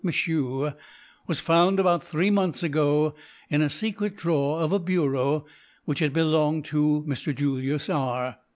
Michau, was found, about three months ago, in a secret drawer of a bureau which had belonged to Mr. Julius R.